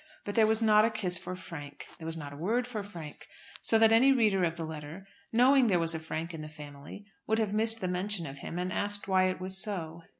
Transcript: But there was not a kiss for Frank. There was not a word for Frank, so that any reader of the letter, knowing there was a Frank in the family, would have missed the mention of him, and asked why it was so.